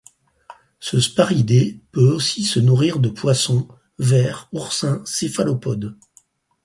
Ce sparidé peut aussi se nourrir de poissons, vers, oursins, céphalopodes...